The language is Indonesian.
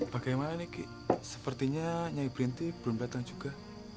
bagaimana nih ki sepertinya nyai berintik belum datang juga